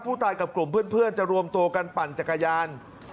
กับกลุ่มเพื่อนจะรวมตัวกันปั่นจักรยาน